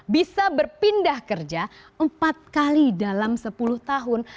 bisa berpindah kerja empat kali dalam sepuluh tahun